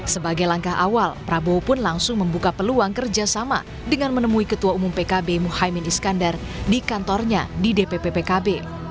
sebagai langkah awal prabowo pun langsung membuka peluang kerjasama dengan menemui ketua umum pkb muhaymin iskandar di kantornya di dpp pkb